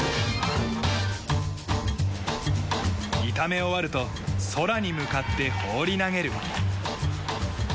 炒め終わると空に向かって放り投げる。